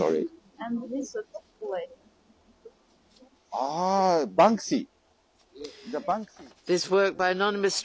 ああ、バンクシー。